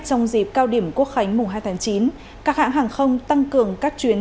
quốc khánh mùa hai tháng chín các hãng hàng không tăng cường các chuyến